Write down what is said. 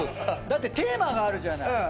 だってテーマがあるじゃない。